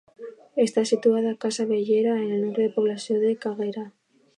Està situada a Casa Bellera, en el nucli de població de Caregue.